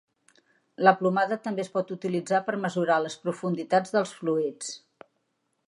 La plomada també es pot utilitzar per mesurar les profunditats dels fluids.